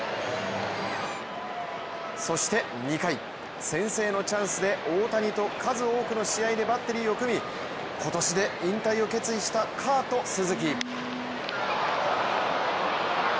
そして、２回先制のチャンスで大谷と数多くの試合でバッテリーを組み、今年で引退を決意したカート・スズキ。